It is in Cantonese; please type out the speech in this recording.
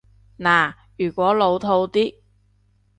嗱，如果老套啲